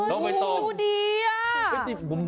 โอ้ยดูดีอะ